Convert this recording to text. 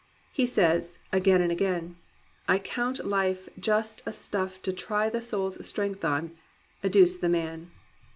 He says, again and again, "I count life just a stuff To try the soul's strength on, educe the man."